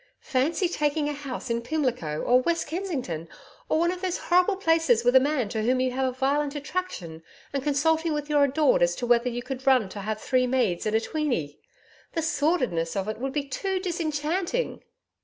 Fancy taking a house in Pimlico or West Kensington, or one of those horrible places with a man to whom you have a violent attraction and consulting with your adored as to whether you could run to three maids and a Tweeny! The sordidness of it would be too disenchanting.